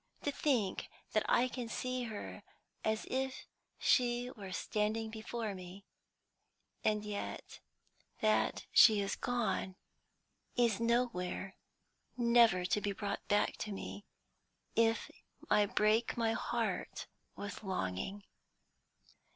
To think that I can see her as if she were standing before me, and yet that she is gone, is nowhere, never to be brought back to me if I break my heart with longing!"